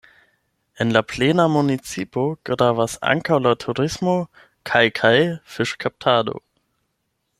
En la plena municipo gravas ankaŭ la turismo kaj kaj fiŝkaptado.